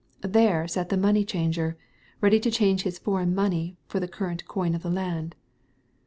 There sat the money changer, ready to change his foreign money for the current coin of the land.